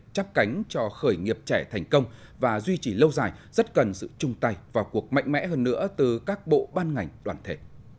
chắp cánh cho khởi nghiệp trẻ thành công và duy trì lâu dài rất cần sự chung tay vào cuộc mạnh mẽ hơn nữa từ các bộ ban ngành đoàn thể